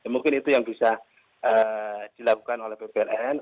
mungkin itu yang bisa dilakukan oleh bpln